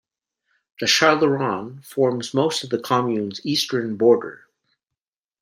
The Chalaronne forms most of the commune's eastern border.